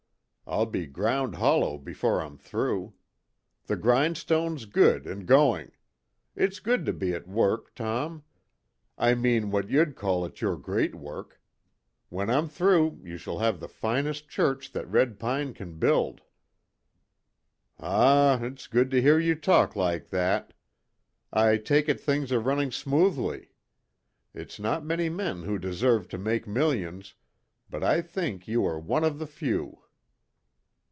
I'll be ground hollow before I'm through. The grindstone's good and going. It's good to be at work, Tom. I mean what you'd call at your great work. When I'm through you shall have the finest church that red pine can build." "Ah, it's good to hear you talk like that. I take it things are running smoothly. It's not many men who deserve to make millions, but I think you are one of the few."